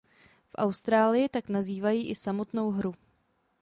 V Austrálii tak nazývají i samotnou hru.